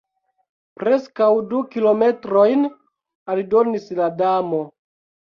"Preskaŭ du kilometrojn," aldonis la Damo.